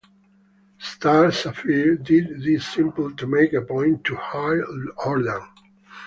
Star Sapphire did this simply to make a point to Hal Jordan.